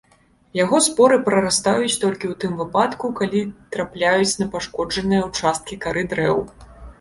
Яго споры прарастаюць толькі ў тым выпадку, калі трапляюць на пашкоджаныя ўчасткі кары дрэў.